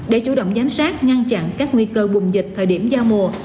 để chủ động giám sát ngăn chặn các nguy cơ bùng dịch thời điểm giao mùa